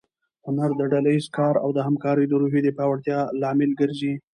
هنر د ډله ییز کار او د همکارۍ د روحیې د پیاوړتیا لامل ګرځي.